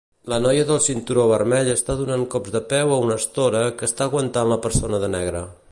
La noia del cinturó vermell està donant cops de peu a una estora que està aguantant la persona de negre.